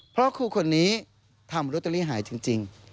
เพราะครูคนนี้ทำลอตเตอรี่หายจริง